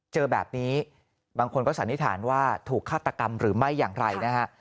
เจอแบบนี้บางคนก็สันนิษฐานว่าถูกฆาตกรรมหรือไม่อย่างไรนะฮะ